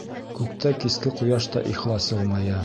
Күктә киске ҡояш та ихлас йылмая...